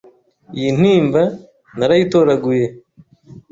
iyi ntimba narayitoraguye